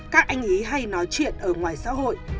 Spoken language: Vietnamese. các anh ý hay nói chuyện ở ngoài xã hội